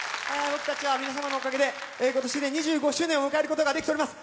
僕たちは皆様のおかげで今年で２５周年を迎えることができております。